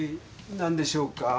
何でしょうか？